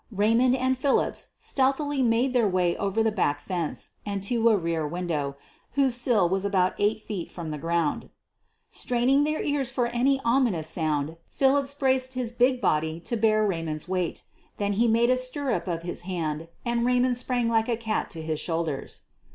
Raymond and Philips stealthily made their way over the back fence and to a rear window, whose sill was about eight feet from the ground. QUEEN OF THE BURGLAES 51 Stpfiining his ears for any ominous sound, Philips braced his big body to bear Raymond's weight Then he made a stirrup of his hand and Raymond sprang like a cat to his shoulders.